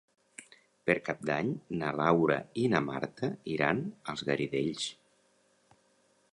Per Cap d'Any na Laura i na Marta iran als Garidells.